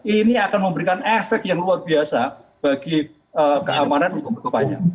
ini akan memberikan efek yang luar biasa bagi keamanan hukum ke depannya